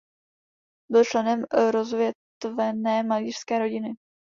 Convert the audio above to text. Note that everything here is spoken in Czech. Byl členem rozvětvené malířské rodiny.